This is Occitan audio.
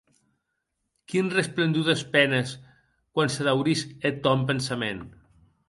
Quin resplendor despenes quan se daurís eth tòn pensament!